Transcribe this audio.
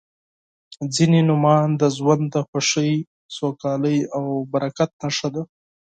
•ځینې نومونه د ژوند د خوښۍ، سوکالۍ او برکت نښه ده.